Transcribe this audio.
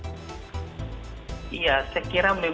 dan apakah kemudian praktik pembatasan itu sudah dinilai efektif atau belum